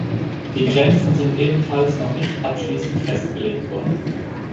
Die Grenzen sind ebenfalls noch nicht abschließend festgelegt worden.